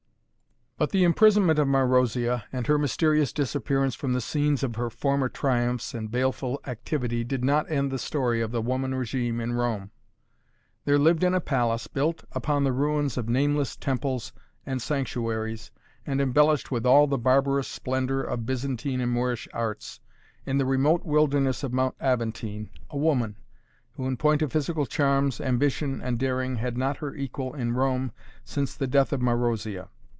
But the imprisonment of Marozia, and her mysterious disappearance from the scenes of her former triumphs and baleful activity did not end the story of the woman regime in Rome. There lived in a palace, built upon the ruins of nameless temples and sanctuaries, and embellished with all the barbarous splendor of Byzantine and Moorish arts, in the remote wilderness of Mount Aventine, a woman, who, in point of physical charms, ambition and daring had not her equal in Rome since the death of Marozia.